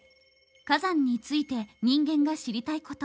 火山について人間が知りたいこと。